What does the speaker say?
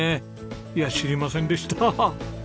いや知りませんでした！